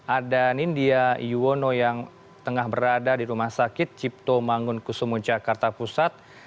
ada nindya iwono yang tengah berada di rumah sakit cipto mangun kusumu jakarta pusat